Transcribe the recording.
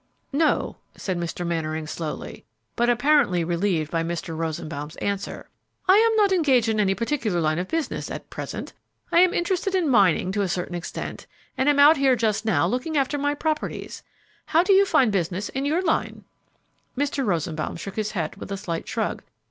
"No," said Mr. Mannering, slowly, but apparently relieved by Mr. Rosenbaum's answer, "I am not engaged in any particular line of business at present. I am interested in mining to a considerable extent, and am out here just now looking after my properties. How do you find business in your line?" Mr. Rosenbaum shook his head with a slight shrug.